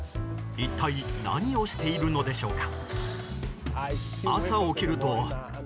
一体何をしているのでしょうか。